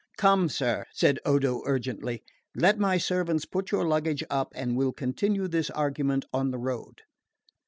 "Come, sir," said Odo urgently, "Let my servants put your luggage up and we'll continue this argument on the road."